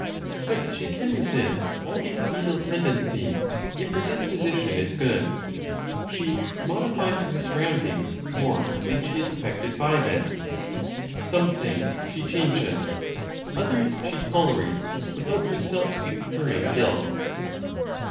But she can resist all these evil tendencies if her disposition is good; she modifies her surroundings more than she is affected by them; some things she changes, others she tolerates without herself incurring guilt.